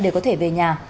để có thể về nhà